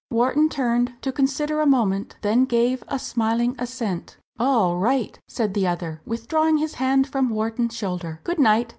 Wharton turned to consider a moment then gave a smiling assent. "All right!" said the other, withdrawing his hand from Wharton's shoulder "good night!